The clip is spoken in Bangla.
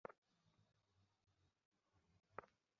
তিনি এই বিহারের দায়িত্ব লাভ করেন।